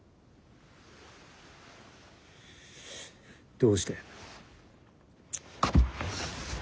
どうして？